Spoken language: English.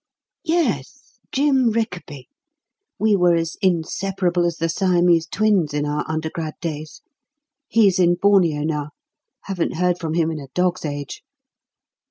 "Yes. Jim Rickaby. We were as inseparable as the Siamese twins in our undergrad days. He's in Borneo now. Haven't heard from him in a dog's age."